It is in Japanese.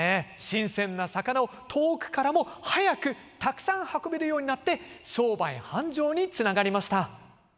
新鮮な魚を遠くからも速くたくさん運べるようになって商売繁盛につながりました。